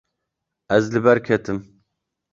Ez li ber ketim.